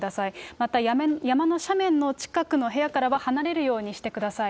また山の斜面の近くの部屋からは離れるようにしてください。